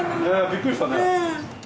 びっくりしたね。